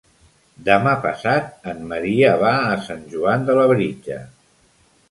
Demà passat en Maria va a Sant Joan de Labritja.